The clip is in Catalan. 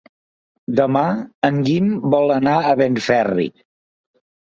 Demà en Guim vol anar a Benferri.